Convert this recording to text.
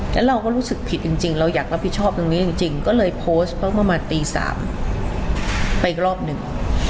แล้วเราก็รู้สึกผิดจริงเราอยากรับผิดชอบตรงนี้จริงก็เลยโพสต์เพราะประมาณตี๓ไปอีกรอบหนึ่ง